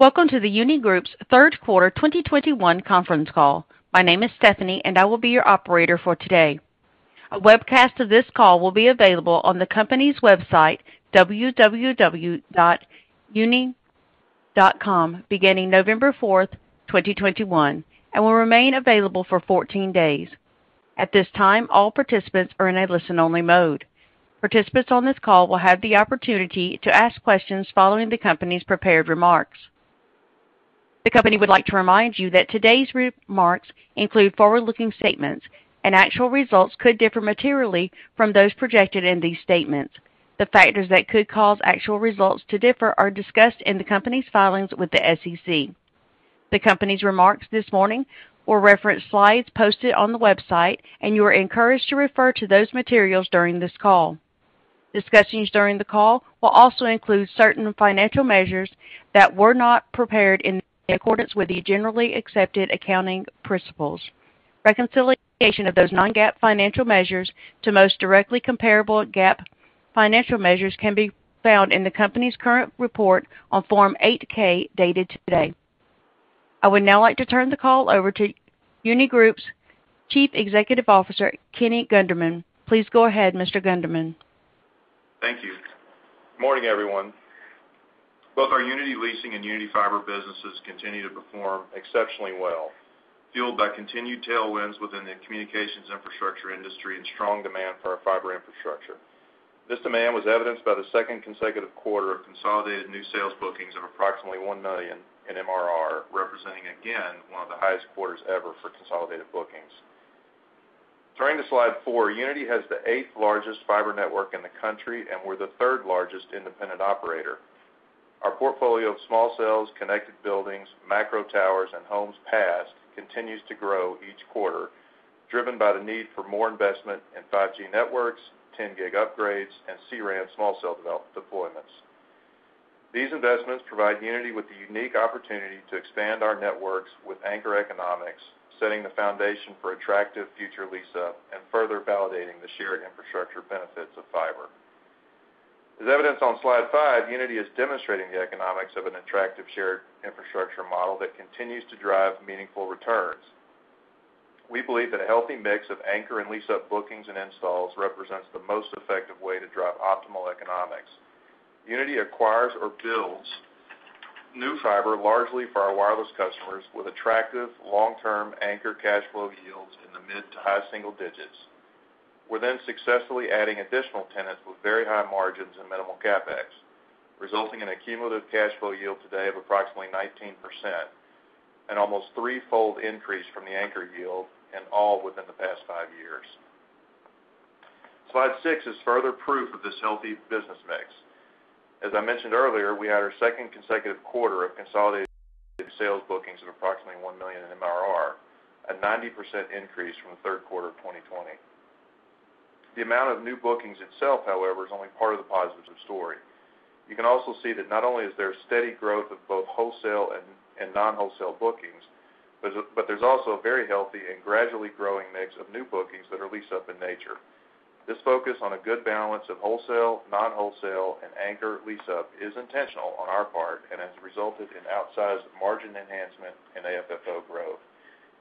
Welcome to the Uniti Group's Third Quarter 2021 Conference Call. My name is Stephanie, and I will be your operator for today. A webcast of this call will be available on the company's website, www.uniti.com, beginning November 4th, 2021, and will remain available for 14 days. At this time, all participants are in a listen-only mode. Participants on this call will have the opportunity to ask questions following the company's prepared remarks. The company would like to remind you that today's remarks include forward-looking statements, and actual results could differ materially from those projected in these statements. The factors that could cause actual results to differ are discussed in the company's filings with the SEC. The company's remarks this morning will reference slides posted on the website, and you are encouraged to refer to those materials during this call. Discussions during the call will also include certain financial measures that were not prepared in accordance with the generally accepted accounting principles. Reconciliation of those non-GAAP financial measures to most directly comparable GAAP financial measures can be found in the company's current report on Form 8-K dated today. I would now like to turn the call over to Uniti Group's Chief Executive Officer, Kenny Gunderman. Please go ahead, Mr. Gunderman. Thank you. Morning, everyone. Both our Uniti Leasing and Uniti Fiber businesses continue to perform exceptionally well, fueled by continued tailwinds within the communications infrastructure industry and strong demand for our fiber infrastructure. This demand was evidenced by the second consecutive quarter of consolidated new sales bookings of approximately $1 million in MRR, representing again one of the highest quarters ever for consolidated bookings. Turning to slide 4, Uniti has the eight-largest fiber network in the country, and we're the third-largest independent operator. Our portfolio of small cells, connected buildings, macro towers, and homes passed continues to grow each quarter, driven by the need for more investment in 5G networks, 10 Gb upgrades, and C-RAN small cell deployments. These investments provide Uniti with the unique opportunity to expand our networks with anchor economics, setting the foundation for attractive future lease-up and further validating the shared infrastructure benefits of fiber. As evidenced on slide 5, Uniti is demonstrating the economics of an attractive shared infrastructure model that continues to drive meaningful returns. We believe that a healthy mix of anchor and lease-up bookings and installs represents the most effective way to drive optimal economics. Uniti acquires or builds new fiber largely for our wireless customers with attractive long-term anchor cash flow yields in the mid to high single digits. We're then successfully adding additional tenants with very high margins and minimal CapEx, resulting in a cumulative cash flow yield today of approximately 19%, an almost threefold increase from the anchor yield and all within the past five years. Slide 6 is further proof of this healthy business mix. As I mentioned earlier, we had our second consecutive quarter of consolidated sales bookings of approximately $1 million in MRR, a 90% increase from the third quarter of 2020. The amount of new bookings itself, however, is only part of the positive story. You can also see that not only is there steady growth of both wholesale and non-wholesale bookings, but there's also a very healthy and gradually growing mix of new bookings that are leased up in nature. This focus on a good balance of wholesale, non-wholesale, and anchor lease-up is intentional on our part and has resulted in outsized margin enhancement and AFFO growth,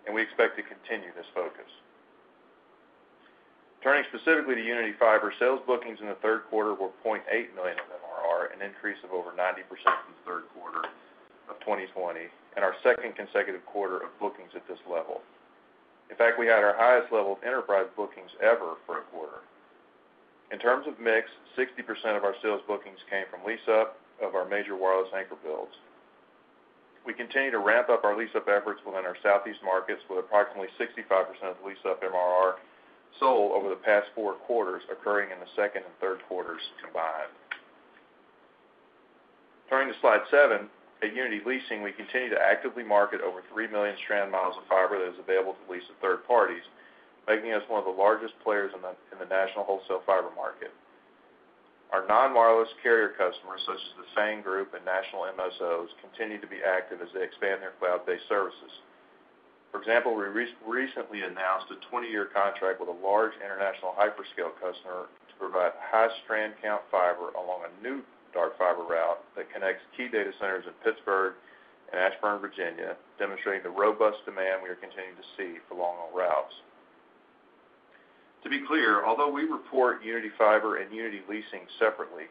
and we expect to continue this focus. Turning specifically to Uniti Fiber, sales bookings in the third quarter were $0.8 million in MRR, an increase of over 90% from the third quarter of 2020 and our second consecutive quarter of bookings at this level. In fact, we had our highest level of enterprise bookings ever for a quarter. In terms of mix, 60% of our sales bookings came from lease-up of our major wireless anchor builds. We continue to ramp up our lease-up efforts within our southeast markets, with approximately 65% of the lease-up MRR sold over the past four quarters occurring in the second and third quarters combined. Turning to slide 7, at Uniti Leasing, we continue to actively market over three million strand miles of fiber that is available to lease to third parties, making us one of the largest players in the national wholesale fiber market. Our non-wireless carrier customers, such as the FAANG group and national MSOs, continue to be active as they expand their cloud-based services. For example, we recently announced a 20-year contract with a large international hyperscale customer to provide high strand count fiber along a new dark fiber route that connects key data centers in Pittsburgh and Ashburn, Virginia, demonstrating the robust demand we are continuing to see for long-haul routes. To be clear, although we report Uniti Fiber and Uniti Leasing separately,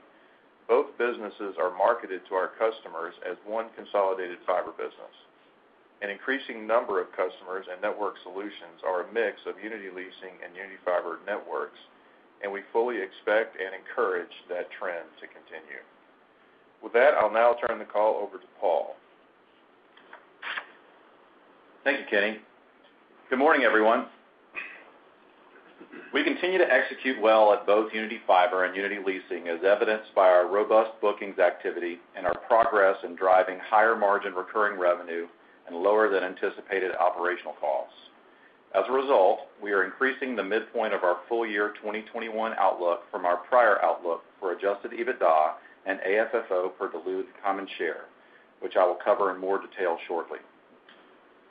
both businesses are marketed to our customers as one consolidated fiber business. An increasing number of customers and network solutions are a mix of Uniti Leasing and Uniti Fiber networks, and we fully expect and encourage that trend to continue. With that, I'll now turn the call over to Paul. Thank you, Kenny. Good morning, everyone. We continue to execute well at both Uniti Fiber and Uniti Leasing, as evidenced by our robust bookings activity and our progress in driving higher margin recurring revenue and lower than anticipated operational costs. As a result, we are increasing the midpoint of our full year 2021 outlook from our prior outlook for adjusted EBITDA and AFFO per diluted common share, which I will cover in more detail shortly.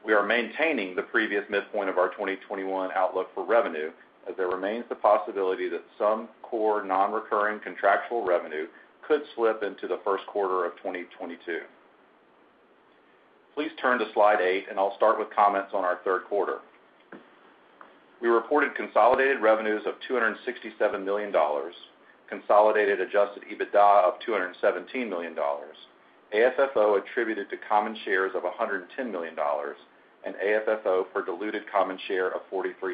We are maintaining the previous midpoint of our 2021 outlook for revenue, as there remains the possibility that some core non-recurring contractual revenue could slip into the first quarter of 2022. Please turn to slide 8, and I'll start with comments on our third quarter. We reported consolidated revenues of $267 million, consolidated adjusted EBITDA of $217 million, AFFO attributed to common shares of $110 million, and AFFO per diluted common share of $0.43.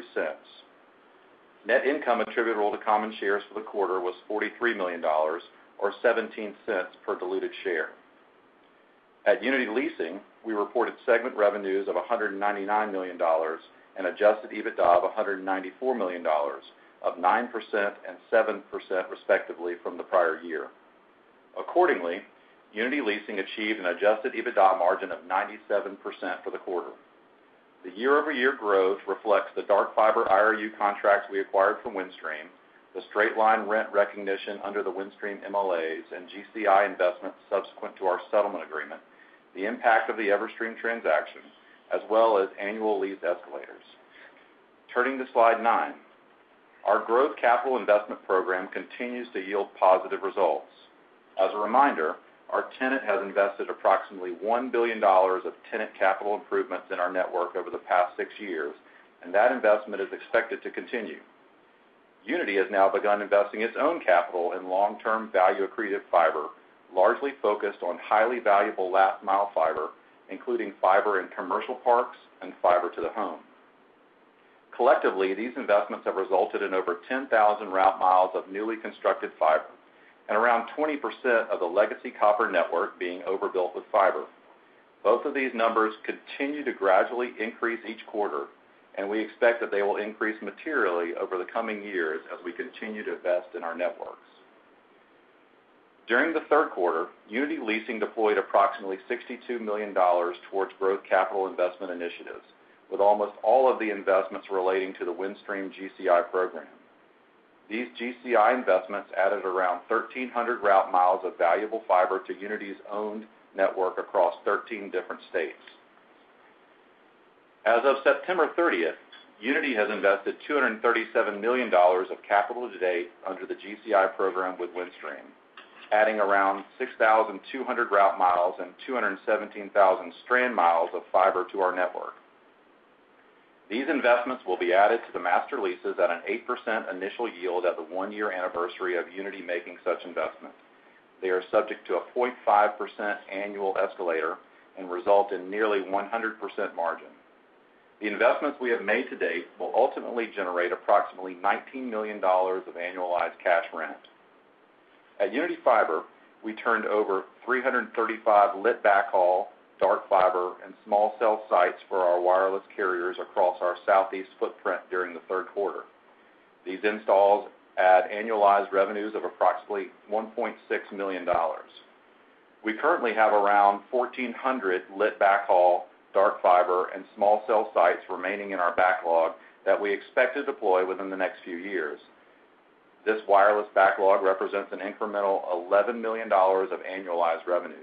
Net income attributable to common shares for the quarter was $43 million or $0.17 per diluted share. At Uniti Leasing, we reported segment revenues of $199 million and adjusted EBITDA of $194 million up 9% and 7%, respectively, from the prior year. Accordingly, Uniti Leasing achieved an adjusted EBITDA margin of 97% for the quarter. The year-over-year growth reflects the dark fiber IRU contracts we acquired from Windstream, the straight line rent recognition under the Windstream MLAs and GCI investments subsequent to our settlement agreement, the impact of the Everstream transaction, as well as annual lease escalators. Turning to slide 9. Our growth capital investment program continues to yield positive results. As a reminder, our tenant has invested approximately $1 billion of tenant capital improvements in our network over the past six years, and that investment is expected to continue. Uniti has now begun investing its own capital in long-term value accretive fiber, largely focused on highly valuable last mile fiber, including fiber in commercial parks and fiber to the home. Collectively, these investments have resulted in over 10,000 route miles of newly constructed fiber and around 20% of the legacy copper network being overbuilt with fiber. Both of these numbers continue to gradually increase each quarter, and we expect that they will increase materially over the coming years as we continue to invest in our networks. During the third quarter, Uniti Leasing deployed approximately $62 million towards growth capital investment initiatives, with almost all of the investments relating to the Windstream GCI program. These GCI investments added around 1,300 route miles of valuable fiber to Uniti's own network across 13 different states. As of September 30th, Uniti has invested $237 million of capital to date under the GCI program with Windstream, adding around 6,200 route miles and 217,000 strand miles of fiber to our network. These investments will be added to the master leases at an 8% initial yield at the one-year anniversary of Uniti making such investments. They are subject to a 0.5% annual escalator and result in nearly 100% margin. The investments we have made to date will ultimately generate approximately $19 million of annualized cash rent. At Uniti Fiber, we turned over 335 lit backhaul, dark fiber, and small cell sites for our wireless carriers across our southeast footprint during the third quarter. These installs add annualized revenues of approximately $1.6 million. We currently have around 1,400 lit backhaul, dark fiber, and small cell sites remaining in our backlog that we expect to deploy within the next few years. This wireless backlog represents an incremental $11 million of annualized revenues.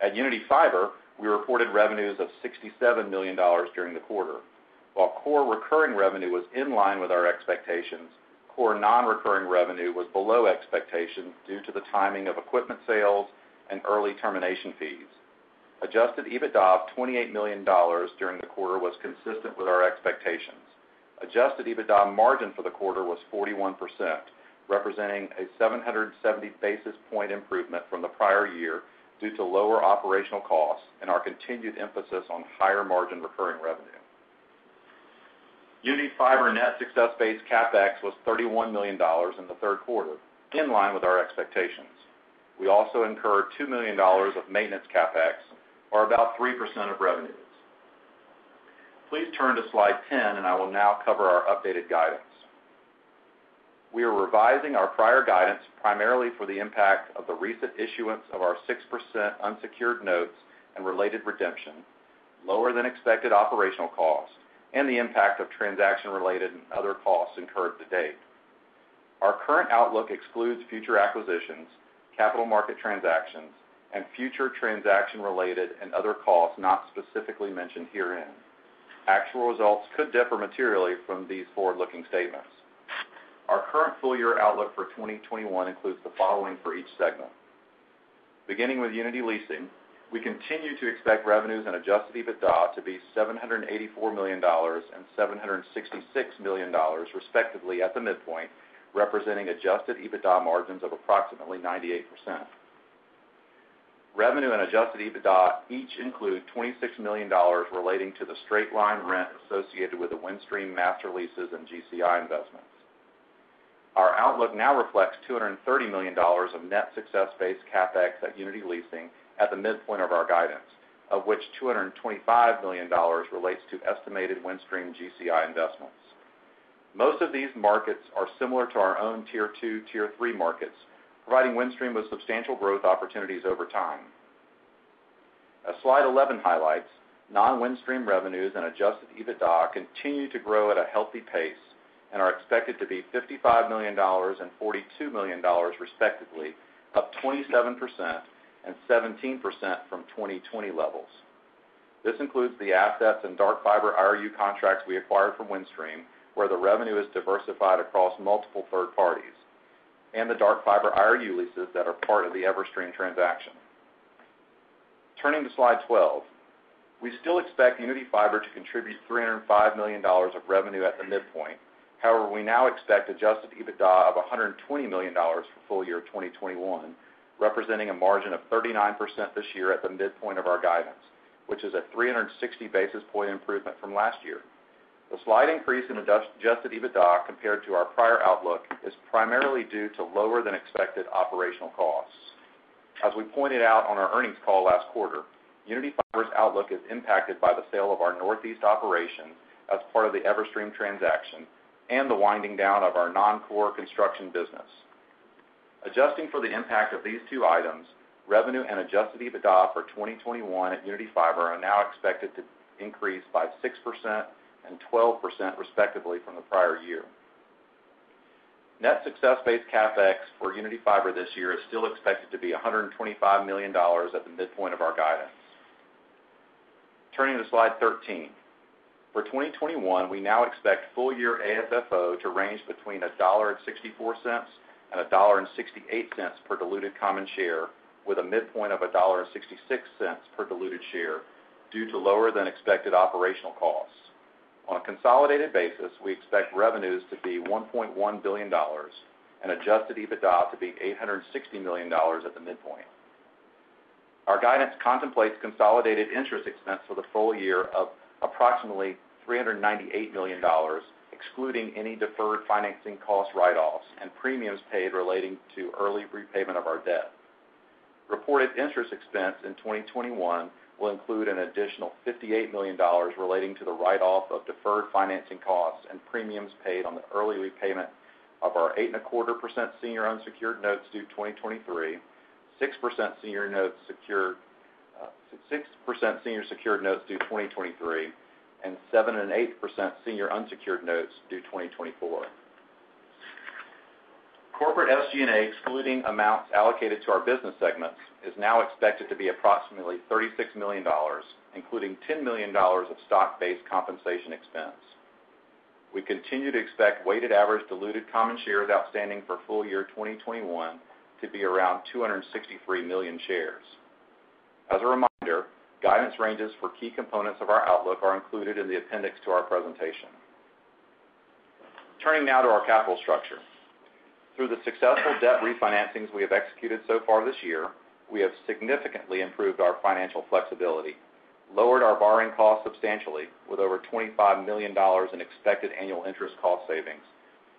At Uniti Fiber, we reported revenues of $67 million during the quarter. While core recurring revenue was in line with our expectations, core non-recurring revenue was below expectations due to the timing of equipment sales and early termination fees. Adjusted EBITDA of $28 million during the quarter was consistent with our expectations. Adjusted EBITDA margin for the quarter was 41%, representing a 770 basis point improvement from the prior year due to lower operational costs and our continued emphasis on higher margin recurring revenue. Uniti Fiber net success-based CapEx was $31 million in the third quarter, in line with our expectations. We also incurred $2 million of maintenance CapEx, or about 3% of revenues. Please turn to slide 10, and I will now cover our updated guidance. We are revising our prior guidance primarily for the impact of the recent issuance of our 6% unsecured notes and related redemption, lower than expected operational costs, and the impact of transaction-related and other costs incurred to date. Our current outlook excludes future acquisitions, capital market transactions, and future transaction-related and other costs not specifically mentioned herein. Actual results could differ materially from these forward-looking statements. Our current full year outlook for 2021 includes the following for each segment. Beginning with Uniti Leasing, we continue to expect revenues and adjusted EBITDA to be $784 million and $766 million, respectively, at the midpoint, representing adjusted EBITDA margins of approximately 98%. Revenue and adjusted EBITDA each include $26 million relating to the straight line rent associated with the Windstream master leases and GCI investments. Our outlook now reflects $230 million of net success-based CapEx at Uniti Leasing at the midpoint of our guidance, of which $225 million relates to estimated Windstream GCI investments. Most of these markets are similar to our own tier II, tier III markets, providing Windstream with substantial growth opportunities over time. As slide 11 highlights, non-Windstream revenues and adjusted EBITDA continue to grow at a healthy pace and are expected to be $55 million and $42 million respectively, up 27% and 17% from 2020 levels. This includes the assets and dark fiber IRU contracts we acquired from Windstream, where the revenue is diversified across multiple third parties, and the dark fiber IRU leases that are part of the Everstream transaction. Turning to slide 12. We still expect Uniti Fiber to contribute $305 million of revenue at the midpoint. However, we now expect adjusted EBITDA of $120 million for full year 2021, representing a margin of 39% this year at the midpoint of our guidance, which is a 360 basis point improvement from last year. The slight increase in adjusted EBITDA compared to our prior outlook is primarily due to lower than expected operational costs. As we pointed out on our earnings call last quarter, Uniti Fiber's outlook is impacted by the sale of our Northeast operation as part of the Everstream transaction and the winding down of our non-core construction business. Adjusting for the impact of these two items, revenue and adjusted EBITDA for 2021 at Uniti Fiber are now expected to increase by 6% and 12% respectively from the prior year. Net success-based CapEx for Uniti Fiber this year is still expected to be $125 million at the midpoint of our guidance. Turning to Slide 13. For 2021, we now expect full year AFFO to range between $1.64 and $1.68 per diluted common share, with a midpoint of $1.66 per diluted share due to lower than expected operational costs. On a consolidated basis, we expect revenues to be $1.1 billion and adjusted EBITDA to be $860 million at the midpoint. Our guidance contemplates consolidated interest expense for the full year of approximately $398 million, excluding any deferred financing cost write-offs and premiums paid relating to early repayment of our debt. Reported interest expense in 2021 will include an additional $58 million relating to the write-off of deferred financing costs and premiums paid on the early repayment of our 8.25% senior unsecured notes due 2023, 6% senior secured notes due 2023, and 7% and 8% senior unsecured notes due 2024. Corporate SG&A, excluding amounts allocated to our business segments, is now expected to be approximately $36 million, including $10 million of stock-based compensation expense. We continue to expect weighted average diluted common shares outstanding for full year 2021 to be around 263 million shares. As a reminder, guidance ranges for key components of our outlook are included in the appendix to our presentation. Turning now to our capital structure. Through the successful debt refinancings we have executed so far this year, we have significantly improved our financial flexibility, lowered our borrowing costs substantially with over $25 million in expected annual interest cost savings,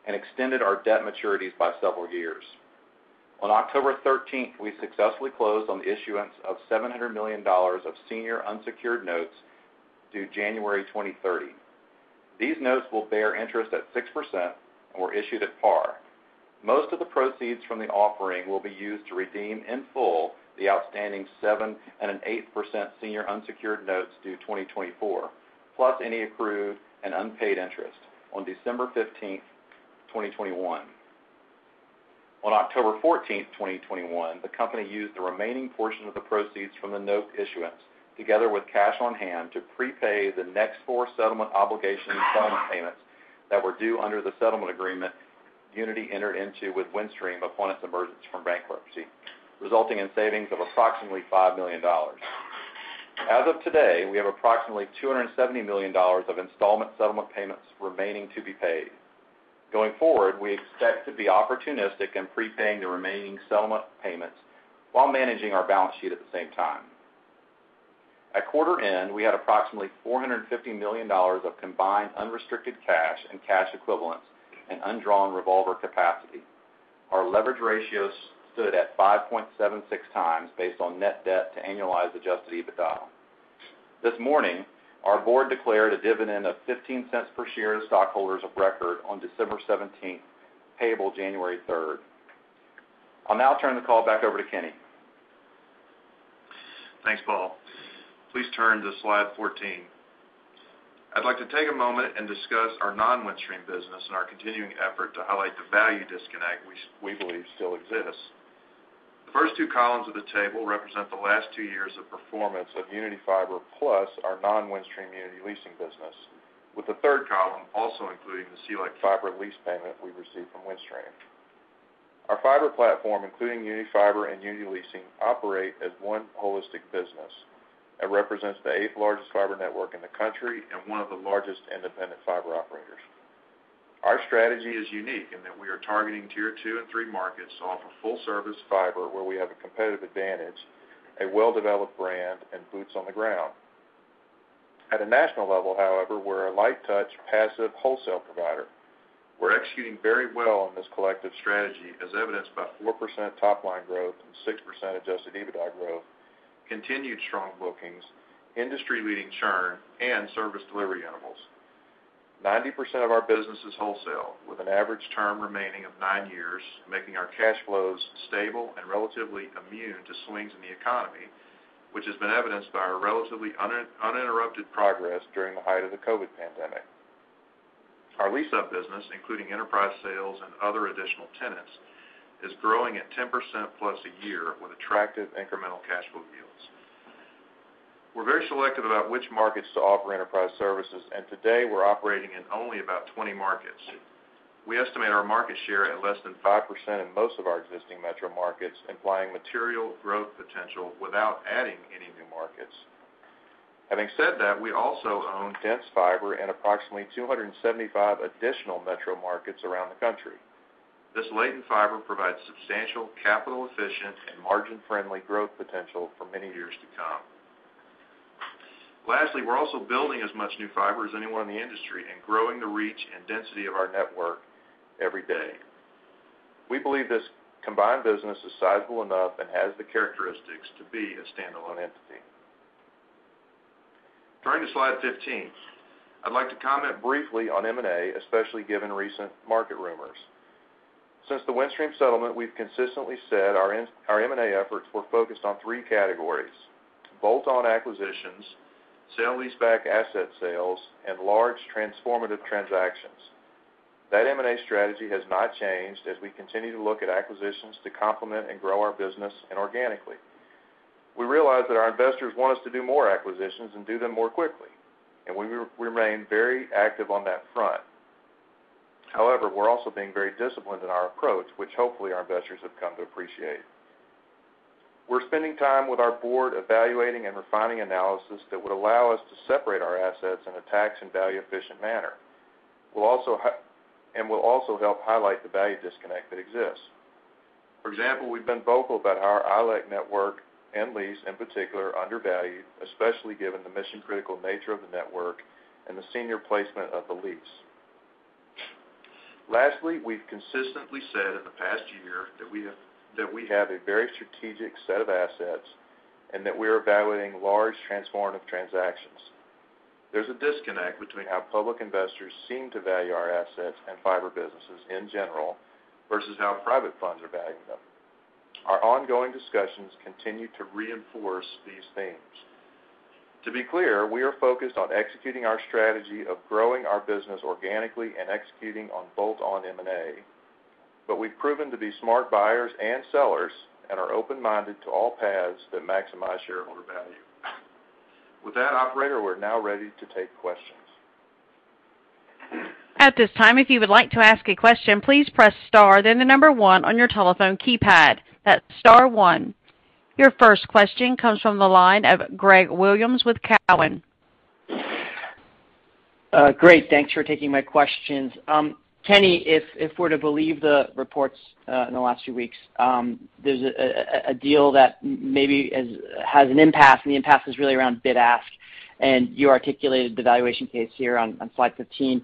and extended our debt maturities by several years. On October 13th, we successfully closed on the issuance of $700 million of senior unsecured notes due January 2030. These notes will bear interest at 6% and were issued at par. Most of the proceeds from the offering will be used to redeem in full the outstanding 7% and 8% senior unsecured notes due 2024, plus any accrued and unpaid interest on December 15th, 2021. On October 14th, 2021, the company used the remaining portion of the proceeds from the note issuance together with cash-on-hand to prepay the next four settlement obligation installment payments that were due under the settlement agreement Uniti entered into with Windstream upon its emergence from bankruptcy, resulting in savings of approximately $5 million. As of today, we have approximately $270 million of installment settlement payments remaining to be paid. Going forward, we expect to be opportunistic in prepaying the remaining settlement payments while managing our balance sheet at the same time. At quarter end, we had approximately $450 million of combined unrestricted cash and cash equivalents and undrawn revolver capacity. Our leverage ratio stood at 5.76x based on net debt to annualized adjusted EBITDA. This morning, our board declared a dividend of $0.15 per share to stockholders of record on December 17th, payable January 3rd. I'll now turn the call back over to Kenny. Thanks, Paul. Please turn to slide 14. I'd like to take a moment and discuss our non-Windstream business and our continuing effort to highlight the value disconnect we believe still exists. The first two columns of the table represent the last two years of performance of Uniti Fiber plus our non-Windstream Uniti Leasing business, with the third column also including the CLEC fiber lease payment we received from Windstream. Our fiber platform, including Uniti Fiber and Uniti Leasing, operate as one holistic business and represents the eighth-largest fiber network in the country and one of the largest independent fiber operators. Our strategy is unique in that we are targeting tier II and tier III markets to offer full service fiber where we have a competitive advantage, a well-developed brand, and boots on the ground. At a national level, however, we're a light touch, passive wholesale provider. We're executing very well on this collective strategy as evidenced by 4% top line growth and 6% adjusted EBITDA growth, continued strong bookings, industry-leading churn, and service delivery SLAs. 90% of our business is wholesale, with an average term remaining of nine years, making our cash flows stable and relatively immune to swings in the economy, which has been evidenced by our relatively uninterrupted progress during the height of the COVID pandemic. Our lease-up business, including enterprise sales and other additional tenants, is growing at 10% plus a year with attractive incremental cash flow yields. We're very selective about which markets to offer enterprise services, and today we're operating in only about 20 markets. We estimate our market share at less than 5% in most of our existing metro markets, implying material growth potential without adding any new markets. Having said that, we also own dense fiber in approximately 275 additional metro markets around the country. This latent fiber provides substantial capital efficient and margin-friendly growth potential for many years to come. Lastly, we're also building as much new fiber as anyone in the industry and growing the reach and density of our network every day. We believe this combined business is sizable enough and has the characteristics to be a standalone entity. Turning to slide 15. I'd like to comment briefly on M&A, especially given recent market rumors. Since the Windstream settlement, we've consistently said our M&A efforts were focused on three categories, bolt-on acquisitions, sale-leaseback asset sales, and large transformative transactions. That M&A strategy has not changed as we continue to look at acquisitions to complement and grow our business and organically. We realize that our investors want us to do more acquisitions and do them more quickly, and we remain very active on that front. However, we're also being very disciplined in our approach, which hopefully our investors have come to appreciate. We're spending time with our board evaluating and refining analysis that would allow us to separate our assets in a tax and value efficient manner. We'll also help highlight the value disconnect that exists. For example, we've been vocal about how our ILEC network and lease, in particular, are undervalued, especially given the mission-critical nature of the network and the senior placement of the lease. Lastly, we've consistently said in the past year that we have a very strategic set of assets and that we are evaluating large transformative transactions. There's a disconnect between how public investors seem to value our assets and fiber businesses in general versus how private funds are valuing them. Our ongoing discussions continue to reinforce these themes. To be clear, we are focused on executing our strategy of growing our business organically and executing on bolt-on M&A, but we've proven to be smart buyers and sellers and are open-minded to all paths that maximize shareholder value. With that, operator, we're now ready to take questions. At this time, if you would like to ask a question, please press star then the number one on your telephone keypad. That's star one. Your first question comes from the line of Greg Williams with TD Cowen. Great. Thanks for taking my questions. Kenny, if we're to believe the reports in the last few weeks, there's a deal that maybe has an impasse, and the impasse is really around bid-ask, and you articulated the valuation case here on slide 15.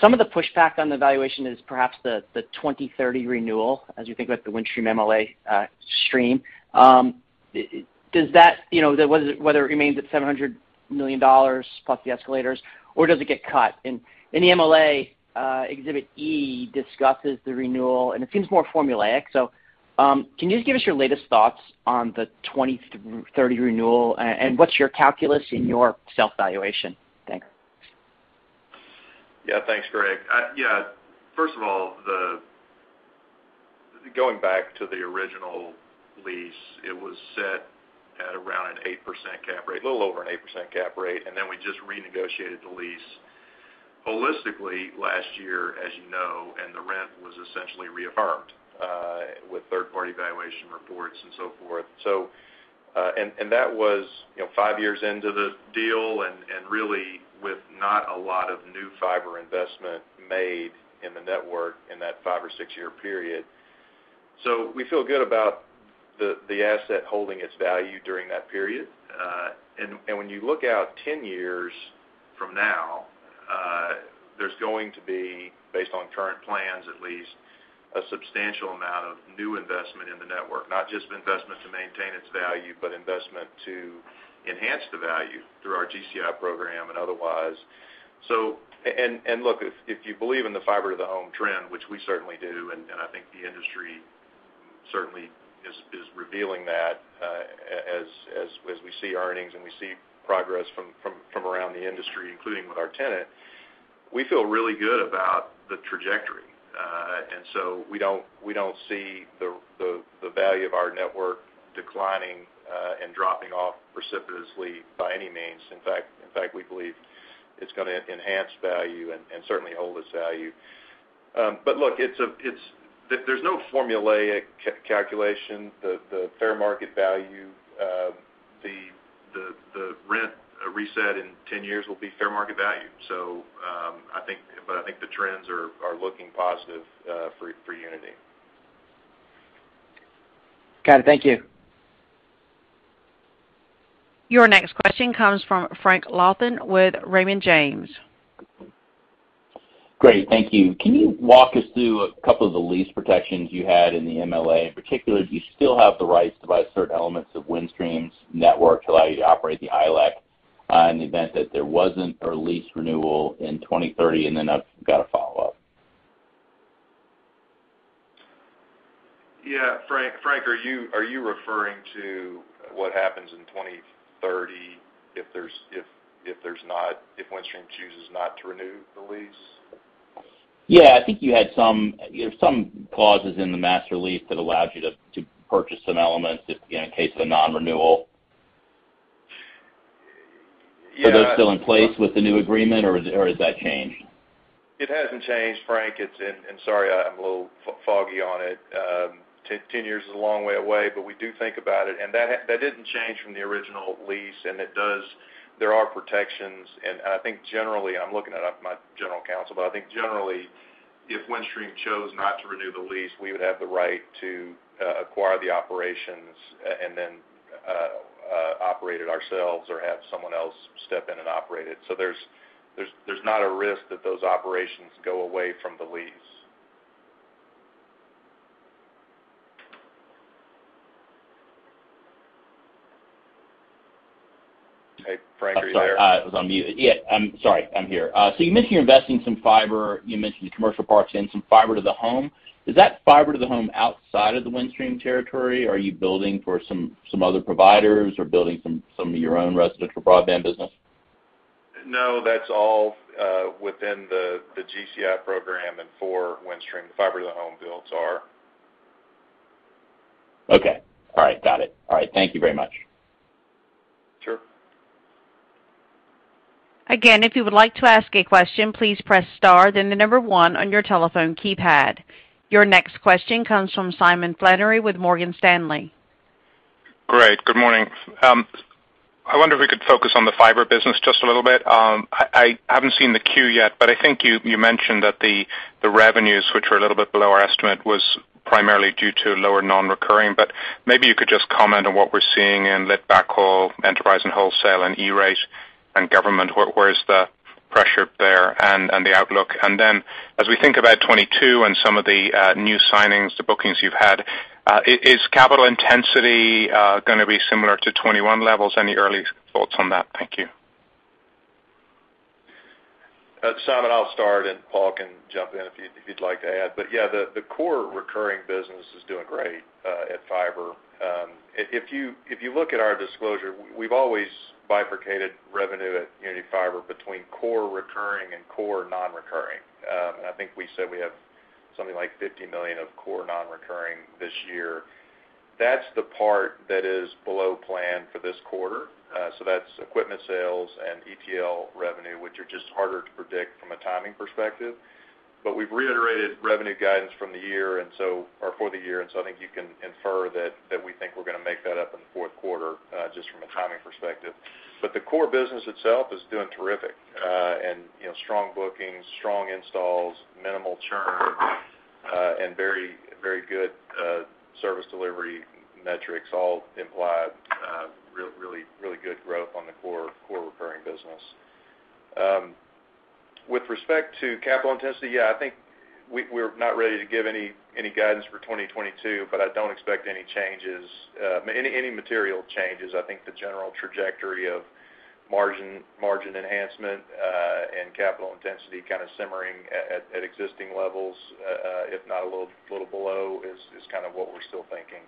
Some of the pushback on the valuation is perhaps the 2030 renewal as you think about the Windstream MLA stream. Does that, you know, whether it remains at $700 million plus the escalators, or does it get cut? In the MLA, Exhibit E discusses the renewal, and it seems more formulaic. Can you just give us your latest thoughts on the 2030 renewal, and what's your calculus in your self-valuation? Thanks. Yeah. Thanks, Greg. First of all, going back to the original lease, it was set at around an 8% cap rate, a little over 8% cap rate, and then we just renegotiated the lease holistically last year, as you know, and the rent was essentially reaffirmed with third-party valuation reports and so forth. That was, you know, five years into the deal and really with not a lot of new fiber investment made in the network in that five- or six-year period. We feel good about the asset holding its value during that period. When you look out 10 years from now, there's going to be, based on current plans at least, a substantial amount of new investment in the network, not just investment to maintain its value, but investment to enhance the value through our GCI program and otherwise. Look, if you believe in the fiber to the home trend, which we certainly do, and I think the industry certainly is revealing that, as we see earnings and we see progress from around the industry, including with our tenant, we feel really good about the trajectory. We don't see the value of our network declining and dropping off precipitously by any means. In fact, we believe it's gonna enhance value and certainly hold its value. Look, it's. There's no formulaic calculation. The fair market value of the rent reset in 10 years will be fair market value. I think the trends are looking positive for Uniti. Got it. Thank you. Your next question comes from Frank Louthan with Raymond James. Great. Thank you. Can you walk us through a couple of the lease protections you had in the MLA? In particular, do you still have the rights to buy certain elements of Windstream's network to allow you to operate the ILEC in the event that there wasn't a lease renewal in 2030? And then I've got a follow-up. Yeah. Frank, are you referring to what happens in 2030 if Windstream chooses not to renew the lease? Yeah, I think you had some, you know, some clauses in the master lease that allows you to purchase some elements if, you know, in case of a non-renewal. Yeah. Are those still in place with the new agreement or has that changed? It hasn't changed, Frank. Sorry, I'm a little foggy on it. 10 years is a long way away, but we do think about it. That didn't change from the original lease, and there are protections. I think generally, I'm looking it up with my general counsel, but I think generally, if Windstream chose not to renew the lease, we would have the right to acquire the operations and then operate it ourselves or have someone else step in and operate it. So there's not a risk that those operations go away from the lease. Hey, Frank. Are you there? Sorry. I was on mute. Yeah, I'm sorry. I'm here. You mentioned you're investing some fiber, you mentioned commercial parks and some fiber to the home. Is that fiber to the home outside of the Windstream territory? Are you building for some other providers or building some of your own residential broadband business? No, that's all, within the GCI program and for Windstream. The fiber to home builds are. Okay. All right, got it. All right. Thank you very much. Sure. Your next question comes from Simon Flannery with Morgan Stanley. Great. Good morning. I wonder if we could focus on the fiber business just a little bit. I haven't seen the Q yet, but I think you mentioned that the revenues, which were a little bit below our estimate, was primarily due to lower non-recurring. But maybe you could just comment on what we're seeing in lit backhaul, enterprise and wholesale and E-Rate and government, where is the pressure there and the outlook. Then as we think about 2022 and some of the new signings, the bookings you've had, is capital intensity gonna be similar to 2021 levels? Any early thoughts on that? Thank you. Simon, I'll start, and Paul can jump in if you'd like to add. Yeah, the core recurring business is doing great at fiber. If you look at our disclosure, we've always bifurcated revenue at Uniti Fiber between core recurring and core non-recurring. I think we said we have something like $50 million of core non-recurring this year. That's the part that is below plan for this quarter. That's equipment sales and ETL revenue, which are just harder to predict from a timing perspective. We've reiterated revenue guidance for the year, and so I think you can infer that we think we're gonna make that up in the fourth quarter, just from a timing perspective. The core business itself is doing terrific. You know, strong bookings, strong installs, minimal churn, and very good service delivery metrics all imply really good growth on the core recurring business. With respect to capital intensity, yeah, I think we're not ready to give any guidance for 2022, but I don't expect any changes, any material changes. I think the general trajectory of margin enhancement and capital intensity kind of simmering at existing levels, if not a little below, is kind of what we're still thinking.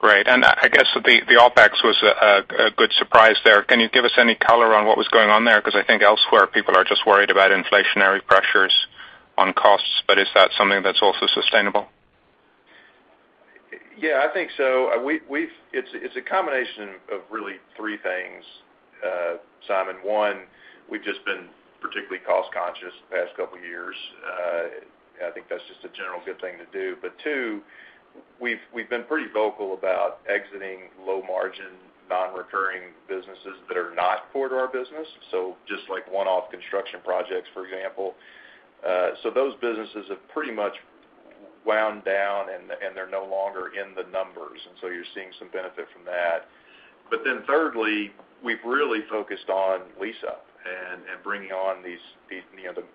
Great. I guess the OpEx was a good surprise there. Can you give us any color on what was going on there? Because I think elsewhere people are just worried about inflationary pressures on costs. Is that something that's also sustainable? Yeah, I think so. It's a combination of really three things, Simon. One, we've just been particularly cost-conscious the past couple years. I think that's just a general good thing to do. Two, we've been pretty vocal about exiting low-margin, non-recurring businesses that are not core to our business, so just like one-off construction projects, for example. So those businesses have pretty much wound down and they're no longer in the numbers, and so you're seeing some benefit from that. Thirdly, we've really focused on lease-up and bringing on these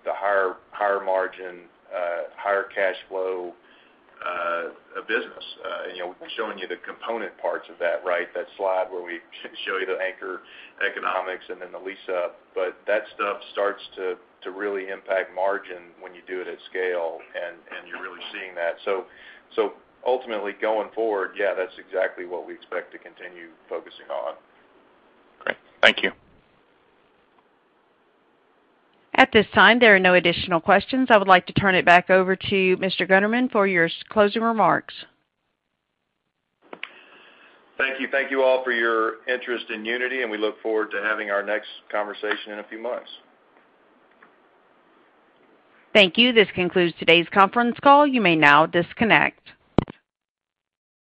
higher margin, higher cash flow business. You know, we've been showing you the component parts of that, right? That slide where we show you the anchor economics and then the lease-up. That stuff starts to really impact margin when you do it at scale, and you're really seeing that. Ultimately, going forward, yeah, that's exactly what we expect to continue focusing on. Great. Thank you. At this time, there are no additional questions. I would like to turn it back over to Mr. Gunderman for your closing remarks. Thank you. Thank you all for your interest in Uniti, and we look forward to having our next conversation in a few months. Thank you. This concludes today's conference call. You may now disconnect.